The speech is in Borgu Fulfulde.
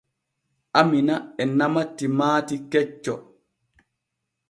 Amina e nama timaati kecco.